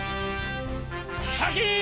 シャキーン！